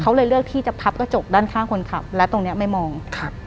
เขาเลยเลือกที่จะพับกระจกด้านข้างคนขับและตรงเนี้ยไม่มองครับ